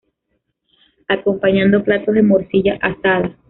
Acompañando platos de morcilla asada.